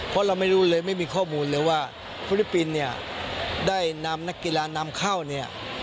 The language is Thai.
เพราะเราไม่รู้เลยไม่มีข้อมูลเลยว่าฟิลิปปินส์เนี่ยได้นำนักกีฬานำเข้าเนี่ย